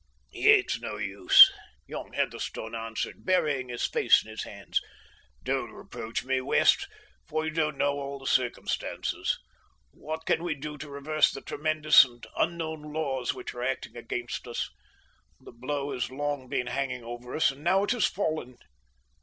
"It's no use," young Heatherstone answered, burying his face in his hands. "Don't reproach me, West, for you don't know all the circumstances. What can we do to reverse the tremendous and unknown laws which are acting against us? The blow has long been hanging over us, and now it has fallen.